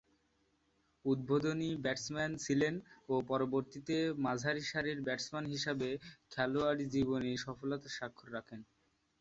উদ্বোধনী ব্যাটসম্যান ছিলেন ও পরবর্তীতে মাঝারিসারির ব্যাটসম্যান হিসেবে খেলোয়াড়ী জীবনে সফলতার স্বাক্ষর রাখেন।